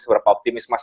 seberapa optimis mas